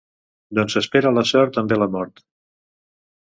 D'on s'espera la sort en ve la mort.